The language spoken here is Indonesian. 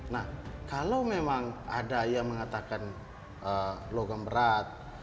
nah kalau memang ada yang mengatakan logam berat